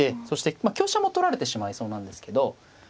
そして香車も取られてしまいそうなんですけど。